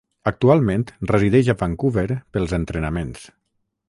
Actualment resideix a Vancouver pels entrenaments.